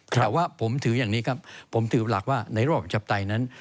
แต่ว่าผมถืออย่างนี้ครับผมถือหลักว่าในรอบประชาปไตยนั้น